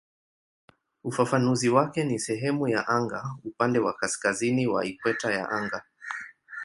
Ufafanuzi wake ni "sehemu ya anga upande wa kaskazini wa ikweta ya anga".